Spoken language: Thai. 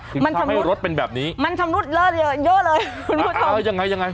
ถึงทำให้รถเป็นแบบนี้มันชำรุดเยอะเลยคุณผู้ชมอ่ายังไงยังไง